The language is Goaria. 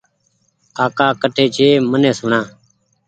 ڪاڪا ڪٺ ڇي ميٚن سوڻا